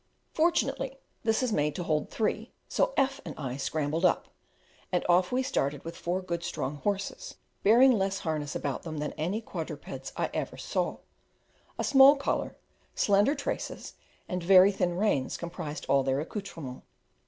Fortunately, this is made to hold three, so F and I scrambled up, and off we started with four good strong horses, bearing less harness about them than any quadrupeds I ever saw; a small collar, slender traces, and very thin reins comprised all their accoutrements.